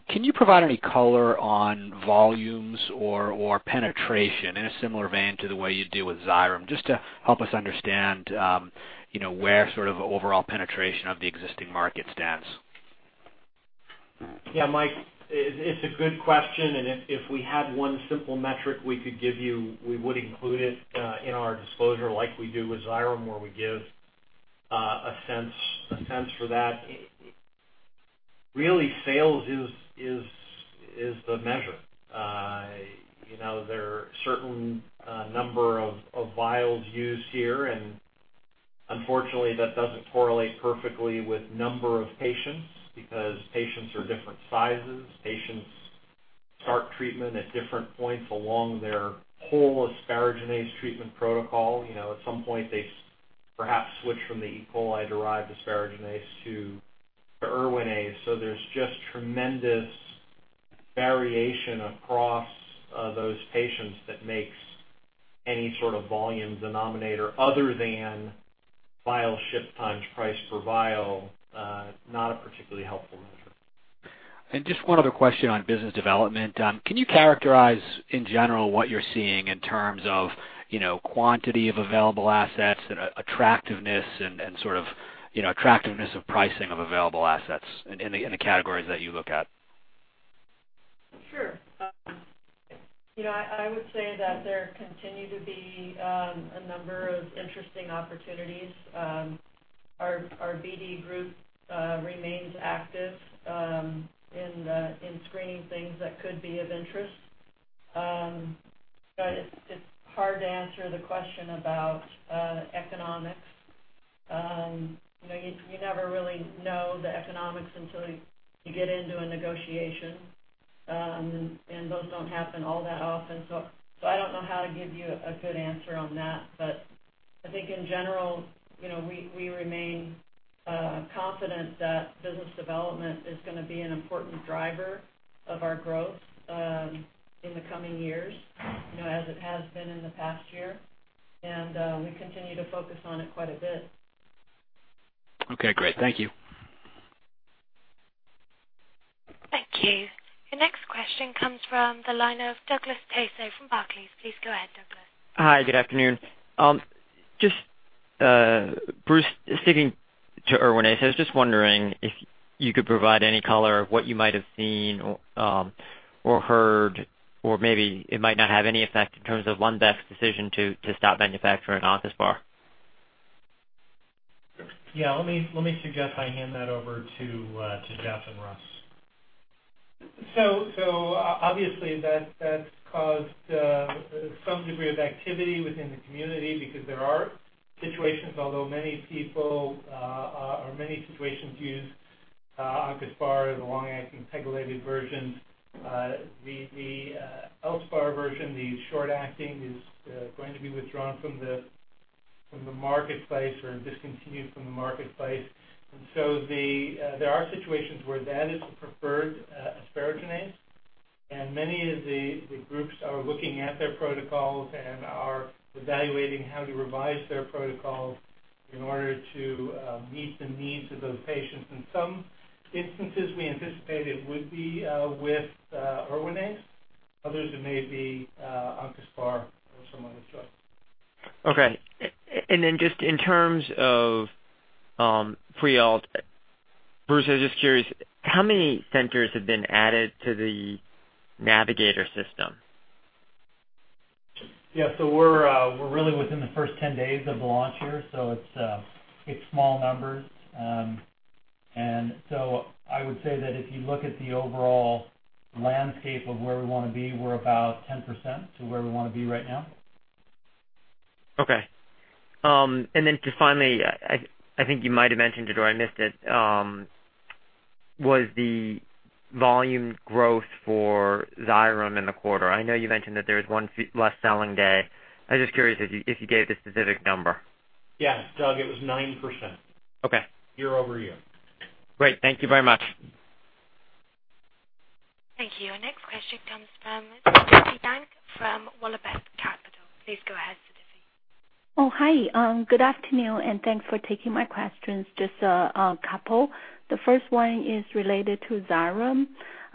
Can you provide any color on volumes or penetration in a similar vein to the way you do with Xyrem, just to help us understand, you know, where sort of overall penetration of the existing market stands? Yeah, Mike, it's a good question, and if we had one simple metric we could give you, we would include it in our disclosure like we do with Xyrem, where we give a sense for that. Really, sales is the measure. You know, there are a certain number of vials used here, and unfortunately that doesn't correlate perfectly with number of patients because patients are different sizes. Patients start treatment at different points along their whole asparaginase treatment protocol. You know, at some point they perhaps switch from the E. coli-derived asparaginase to the Erwinaze. There's just tremendous variation across those patients that makes any sort of volume denominator other than vial shipments times price per vial not a particularly helpful measure. Just one other question on business development. Can you characterize in general what you're seeing in terms of, you know, quantity of available assets and attractiveness and sort of, you know, attractiveness of pricing of available assets in the categories that you look at? Sure. You know, I would say that there continue to be a number of interesting opportunities. Our BD group remains active in screening things that could be of interest. It's hard to answer the question about economics. You know, you never really know the economics until you get into a negotiation. Those don't happen all that often. I don't know how to give you a good answer on that. I think in general, you know, we remain confident that business development is gonna be an important driver of our growth in the coming years, you know, as it has been in the past year, and we continue to focus on it quite a bit. Okay, great. Thank you. Thank you. Your next question comes from the line of Douglas Tsao from Barclays. Please go ahead, Douglas. Hi, good afternoon. Just, Bruce, sticking to Erwinaze, I was just wondering if you could provide any color on what you might have seen, or heard, or maybe it might not have any effect in terms of Lundbeck's decision to stop manufacturing Oncaspar. Yeah, let me suggest I hand that over to Jeff and Russ. Obviously that's caused some degree of activity within the community because there are situations, although many people or many situations use Oncaspar, the long-acting pegylated version. The Elspar version, the short-acting, is going to be withdrawn from the marketplace or discontinued from the marketplace. There are situations where that is the preferred asparaginase, and many of the groups are looking at their protocols and are evaluating how to revise their protocols in order to meet the needs of those patients. In some instances, we anticipate it would be with Erwinaze. Others, it may be Oncaspar or some other drug. Just in terms of Pre-Opt, Bruce, I'm just curious, how many centers have been added to the Navigator system? Yeah. We're really within the first 10 days of the launch here, so it's small numbers. I would say that if you look at the overall landscape of where we wanna be, we're about 10% to where we wanna be right now. Okay. Just finally, I think you might have mentioned it or I missed it, was the volume growth for Xyrem in the quarter. I know you mentioned that there was one less selling day. I was just curious if you gave the specific number. Yeah. Doug, it was 9%. Okay. Year-over-year. Great. Thank you very much. Thank you. Our next question comes from Safi Bahcall from Sanford C. Bernstein. Please go ahead, Safi. Oh, hi. Good afternoon, and thanks for taking my questions. Just a couple. The first one is related to Xyrem.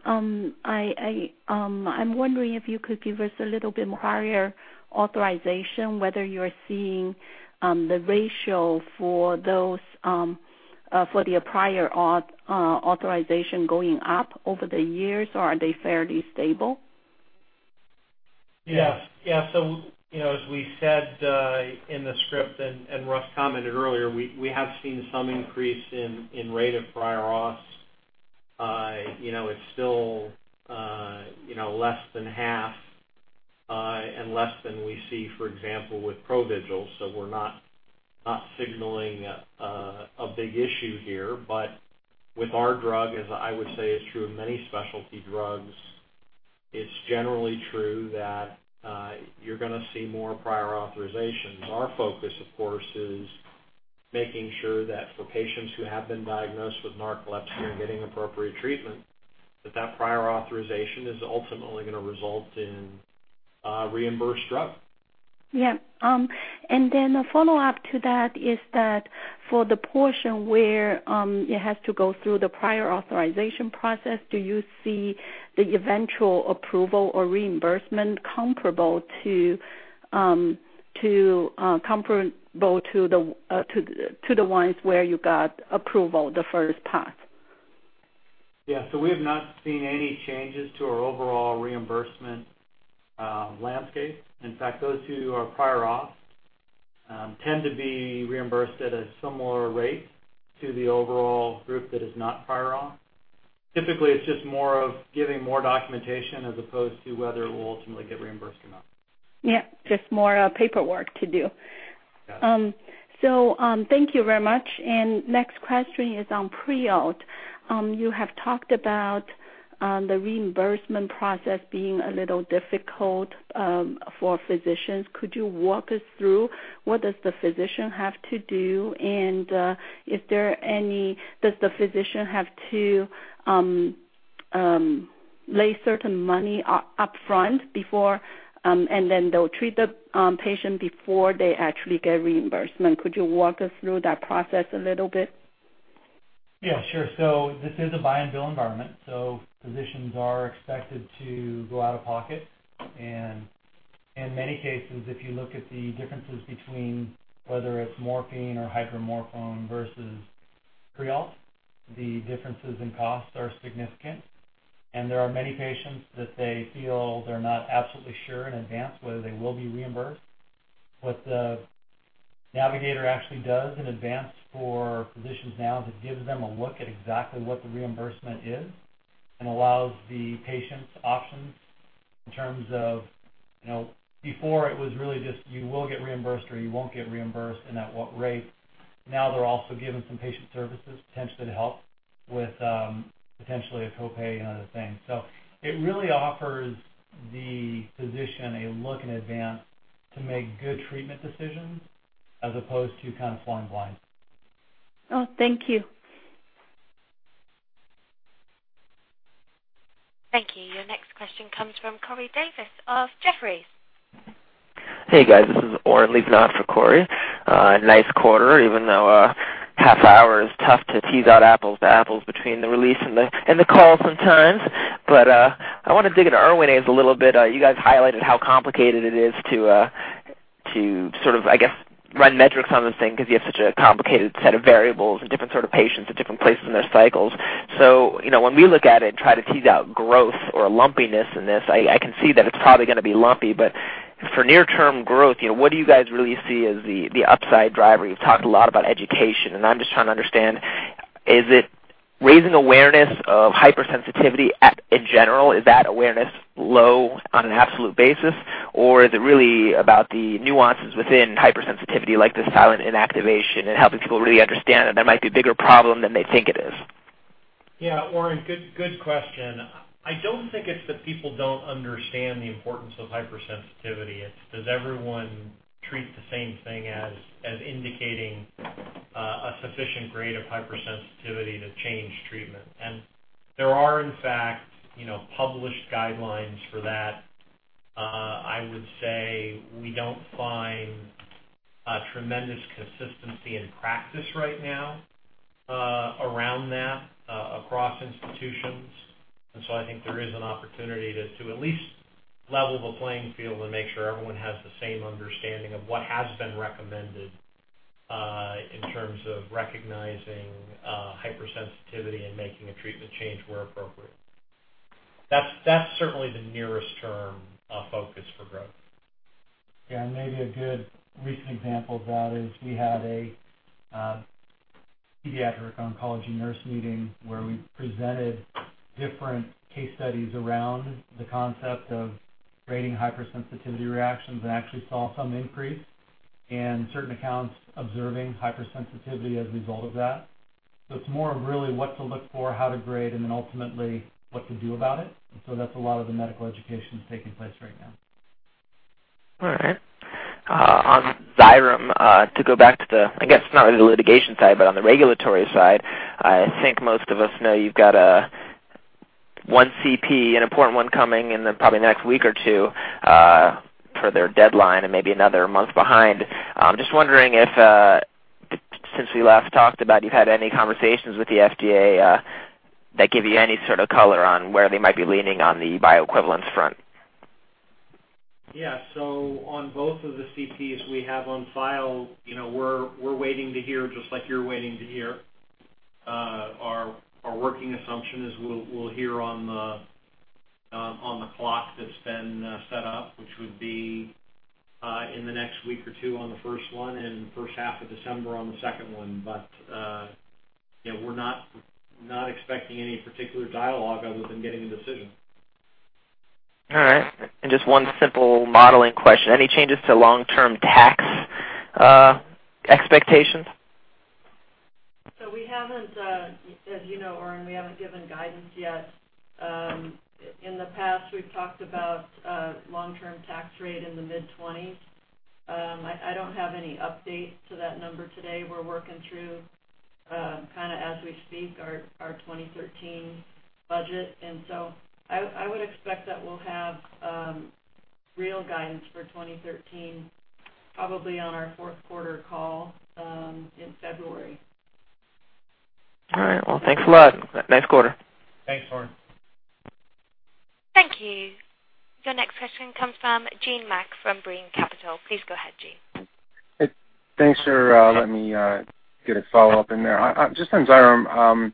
I'm wondering if you could give us a little bit more prior authorization, whether you're seeing the ratio for those for the prior authorization going up over the years, or are they fairly stable? Yeah. You know, as we said in the script and Russ commented earlier, we have seen some increase in rate of prior authorization. You know, it's still you know, less than half and less than we see, for example, with Provigil, so we're not signaling a big issue here. But with our drug, as I would say it's true of many specialty drugs, it's generally true that you're gonna see more prior authorizations. Our focus, of course, is making sure that for patients who have been diagnosed with narcolepsy and getting appropriate treatment, that prior authorization is ultimately gonna result in a reimbursed drug. A follow-up to that is that for the portion where it has to go through the prior authorization process, do you see the eventual approval or reimbursement comparable to the ones where you got approval the first pass? Yeah. We have not seen any changes to our overall reimbursement landscape. In fact, those who are prior authorization tend to be reimbursed at a similar rate to the overall group that is not prior authorization. Typically, it's just more of giving more documentation as opposed to whether we'll ultimately get reimbursed or not. Yeah, just more paperwork to do. Yeah. Thank you very much. Next question is on Pre-Opt. You have talked about the reimbursement process being a little difficult for physicians. Could you walk us through what does the physician have to do? Does the physician have to lay certain money upfront before, and then they'll treat the patient before they actually get reimbursement? Could you walk us through that process a little bit? Yeah, sure. This is a buy and bill environment, so physicians are expected to go out of pocket and- In many cases, if you look at the differences between whether it's morphine or hydromorphone versus Prialt, the differences in costs are significant. There are many patients that they feel they're not absolutely sure in advance whether they will be reimbursed. What the navigator actually does in advance for physicians now is it gives them a look at exactly what the reimbursement is and allows the patients options in terms of, you know, before it was really just you will get reimbursed or you won't get reimbursed and at what rate. Now they're also given some patient services potentially to help with, potentially a copay and other things. It really offers the physician a look in advance to make good treatment decisions as opposed to kind of flying blind. Oh, thank you. Thank you. Your next question comes from Corey Davis of Jefferies. Hey, guys, this is Oren Livnat on for Corey Davis. Nice quarter, even though a half hour is tough to tease out apples to apples between the release and the call sometimes. I wanna dig into Erwinaze a little bit. You guys highlighted how complicated it is to sort of, I guess, run metrics on this thing because you have such a complicated set of variables and different sort of patients at different places in their cycles. You know, when we look at it and try to tease out growth or lumpiness in this, I can see that it's probably gonna be lumpy. For near-term growth, you know, what do you guys really see as the upside driver? You've talked a lot about education, and I'm just trying to understand, is it raising awareness of hypersensitivity in general? Is that awareness low on an absolute basis, or is it really about the nuances within hypersensitivity, like the silent inactivation and helping people really understand that that might be a bigger problem than they think it is? Yeah, Oren, good question. I don't think it's that people don't understand the importance of hypersensitivity. Does everyone treat the same thing as indicating a sufficient grade of hypersensitivity to change treatment? There are, in fact, you know, published guidelines for that. I would say we don't find a tremendous consistency in practice right now around that across institutions. I think there is an opportunity to at least level the playing field and make sure everyone has the same understanding of what has been recommended in terms of recognizing hypersensitivity and making a treatment change where appropriate. That's certainly the near-term focus for growth. Yeah. Maybe a good recent example of that is we had a pediatric oncology nurse meeting where we presented different case studies around the concept of grading hypersensitivity reactions and actually saw some increase in certain accounts observing hypersensitivity as a result of that. It's more of really what to look for, how to grade, and then ultimately what to do about it. That's a lot of the medical education that's taking place right now. All right. On Xyrem, to go back to, I guess, not really the litigation side, but on the regulatory side, I think most of us know you've got one CP, an important one, coming in, probably the next week or two, for their deadline and maybe another month behind. Just wondering if, since we last talked about, you've had any conversations with the FDA, that give you any sort of color on where they might be leaning on the bioequivalence front. Yeah. On both of the CPs we have on file, you know, we're waiting to hear just like you're waiting to hear. Our working assumption is we'll hear on the clock that's been set up, which would be in the next week or two on the first one and first half of December on the second one. You know, we're not expecting any particular dialogue other than getting a decision. All right. Just one simple modeling question. Any changes to long-term tax expectations? As you know, Oren, we haven't given guidance yet. In the past, we've talked about a long-term tax rate in the mid-20s. I don't have any update to that number today. We're working through, kinda as we speak, our 2013 budget. I would expect that we'll have real guidance for 2013 probably on our Q4 call in February. All right. Well, thanks a lot. Nice quarter. Thanks, Oren. Thank you. Your next question comes from Gene Mack from Brean Capital. Please go ahead, Gene. Thanks for letting me get a follow-up in there. Just on Xyrem,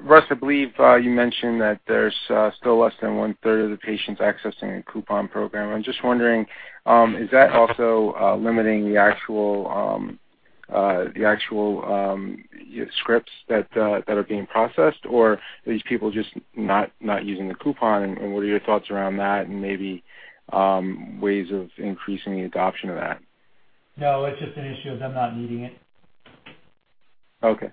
Russ, I believe you mentioned that there's still less than one-third of the patients accessing the coupon program. I'm just wondering, is that also limiting the actual scripts that are being processed, or are these people just not using the coupon? What are your thoughts around that and maybe ways of increasing the adoption of that? No, it's just an issue of them not needing it. Okay.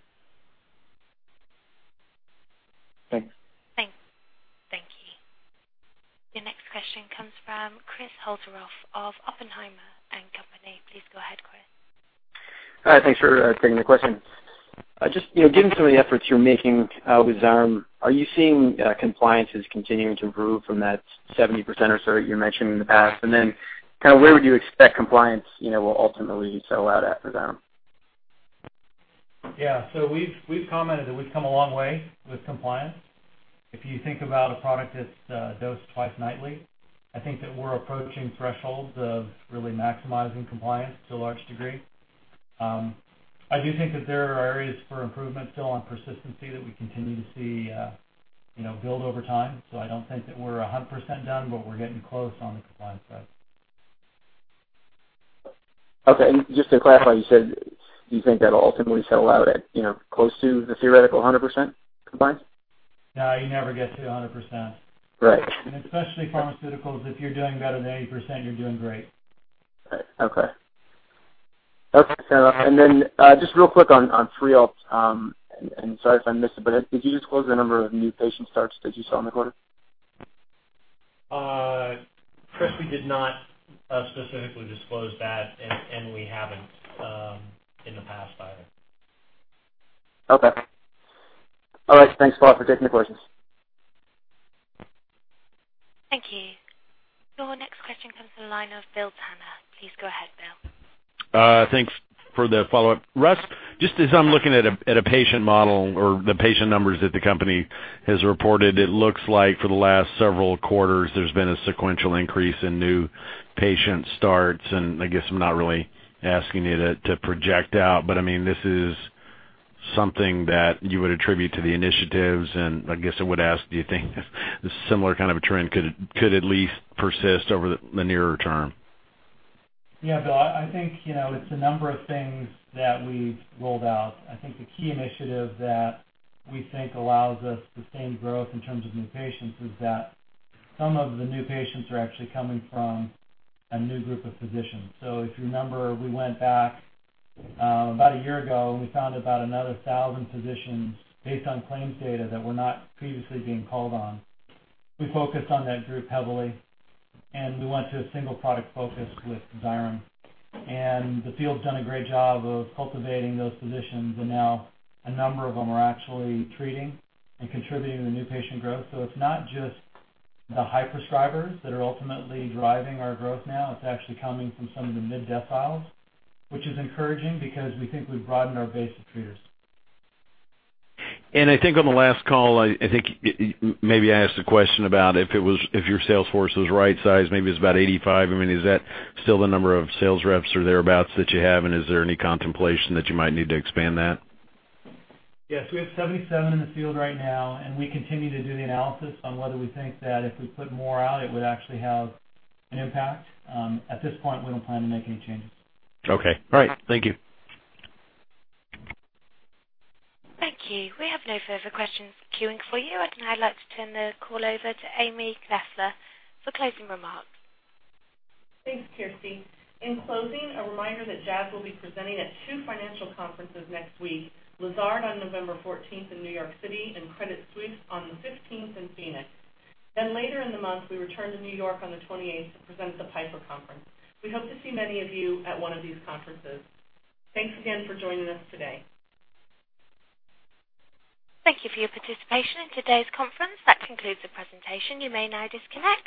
Thanks. Thanks. Thank you. Your next question comes from Chris Holzerhof of Oppenheimer & Co. Please go ahead, Chris. Hi. Thanks for taking the question. Just, you know, given some of the efforts you're making with Xyrem, are you seeing compliance continuing to improve from that 70% or so you mentioned in the past? Kind of where would you expect compliance, you know, will ultimately settle out after that? Yeah. We've commented that we've come a long way with compliance. If you think about a product that's dosed twice nightly, I think that we're approaching thresholds of really maximizing compliance to a large degree. I do think that there are areas for improvement still on persistency that we continue to see, you know, build over time. I don't think that we're 100% done, but we're getting close on the compliance side. Okay. Just to clarify, you said you think that'll ultimately settle out at, you know, close to the theoretical 100% compliance? No, you never get to 100%. Right. Especially pharmaceuticals, if you're doing better than 80%, you're doing great. Okay. Just real quick on Xyrem, and sorry if I missed it, but did you disclose the number of new patient starts that you saw in the quarter? Chris, we did not specifically disclose that and we haven't in the past either. Okay. All right. Thanks a lot for taking the questions. Thank you. Your next question comes from the line of Bill Tanner. Please go ahead, Bill. Thanks for the follow-up. Russ, just as I'm looking at a patient model or the patient numbers that the company has reported, it looks like for the last several quarters, there's been a sequential increase in new patient starts. I guess I'm not really asking you to project out, but I mean, this is something that you would attribute to the initiatives. I guess I would ask, do you think this similar kind of a trend could at least persist over the nearer term? Yeah. Bill, I think, you know, it's a number of things that we've rolled out. I think the key initiative that we think allows us sustained growth in terms of new patients is that some of the new patients are actually coming from a new group of physicians. If you remember, we went back about a year ago, and we found about another 1,000 physicians based on claims data that were not previously being called on. We focused on that group heavily, and we went to a single product focus with Xyrem. The field's done a great job of cultivating those physicians, and now a number of them are actually treating and contributing to the new patient growth. It's not just the high prescribers that are ultimately driving our growth now. It's actually coming from some of the mid deciles, which is encouraging because we think we've broadened our base of treaters. I think on the last call, maybe I asked a question about if your sales force was right size, maybe it's about 85. I mean, is that still the number of sales reps or thereabouts that you have? Is there any contemplation that you might need to expand that? Yes, we have 77 in the field right now, and we continue to do the analysis on whether we think that if we put more out, it would actually have an impact. At this point, we don't plan to make any changes. Okay. All right. Thank you. Thank you. We have no further questions in the queue for you. I'd now like to turn the call over to Amy Kessler for closing remarks. Thanks, Kirsty. In closing, a reminder that Jazz will be presenting at two financial conferences next week, Lazard on November 14 in New York City and Credit Suisse on the 15 in Phoenix. Later in the month, we return to New York on the 28 to present at the Piper Conference. We hope to see many of you at one of these conferences. Thanks again for joining us today. Thank you for your participation in today's conference. That concludes the presentation. You may now disconnect.